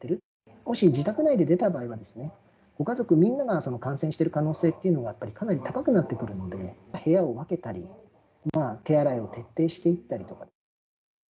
もし自宅内で出た場合は、ご家族みんなが感染している可能性というのはやっぱりかなり高くなってくるので、部屋を分けたり、手洗いを徹底していったりとか。